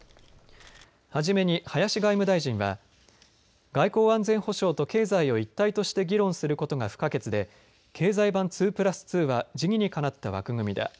はじめに林外務大臣は外交安全保障と経済を一体として議論することが不可欠で経済版２プラス２は時宜にかなった枠組みだ。